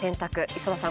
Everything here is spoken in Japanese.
磯田さん